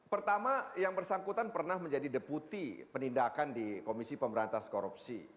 pertama yang bersangkutan pernah menjadi deputi penindakan di komisi pemberantas korupsi